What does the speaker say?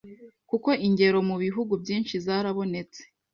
kuko ingero mu bihugu byinshi zarabonetse